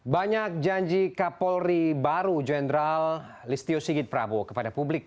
banyak janji kapolri baru jenderal listio sigit prabowo kepada publik